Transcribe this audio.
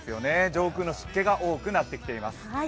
上空の湿気が多くなってきています。